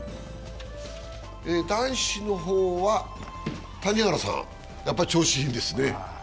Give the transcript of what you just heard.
男子の方は谷原さん、やっぱり調子いいですね。